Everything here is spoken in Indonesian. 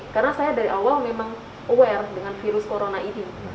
karena saya dari awal memang aware dengan virus corona ini